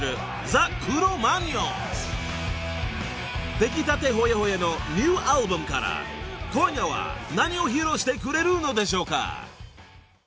［出来たてほやほやのニューアルバムから今夜は何を披露してくれるのでしょうか？］